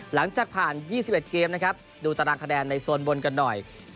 หลังจากผ่าน๒๑เกมนะครับดูตารางคะแนนในโซนบนกันหน่อย